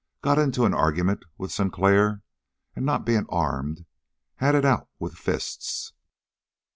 Got into an argument with Sinclair, and, not being armed, he had it out with fists.